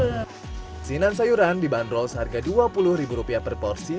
sinan sayuran dibanderol seharga dua puluh ribu rupiah per porsi